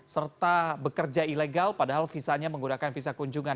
serta bekerja ilegal padahal visanya menggunakan visa kunjungan